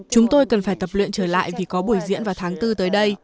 chúng tôi cần phải tập luyện trở lại vì có buổi diễn vào tháng bốn tới đây